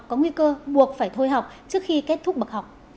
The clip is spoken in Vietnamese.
có nguy cơ buộc phải thôi học trước khi kết thúc bậc học